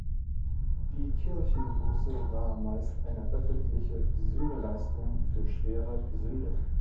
Die Kirchenbuße war meist eine öffentliche Sühneleistung für schwere Sünden.